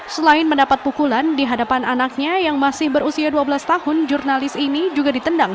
selain mendapat pukulan di hadapan anaknya yang masih berusia dua belas tahun jurnalis ini juga ditendang